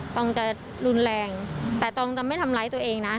ตองจะรุนแรงแต่ตองจะไม่ทำร้ายตัวเองนะ